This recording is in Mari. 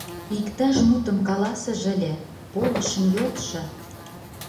Иктаж мутым каласыже ыле, полышым йодшо...